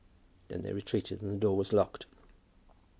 Then they retreated and the door was locked.